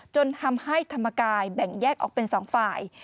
จนทำให้ธรรมกายแบ่งแยกออกเป็น๒ฝ่าย